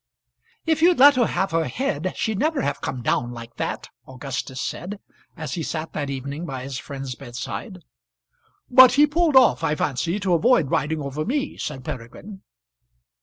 "If you'd let her have her head she'd never have come down like that," Augustus said, as he sat that evening by his friend's bedside. "But he pulled off, I fancy, to avoid riding over me," said Peregrine.